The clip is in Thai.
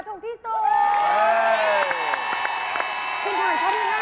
ถูกกว่า